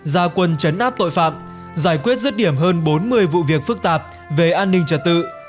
gia quân chấn áp tội phạm giải quyết rứt điểm hơn bốn mươi vụ việc phức tạp về an ninh trật tự